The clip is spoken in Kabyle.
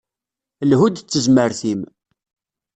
Lhu-d d tezmert-im.